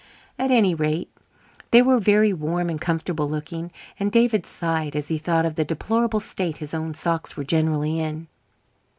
At any rate, they were very warm and comfortable looking, and David sighed as he thought of the deplorable state his own socks were generally in.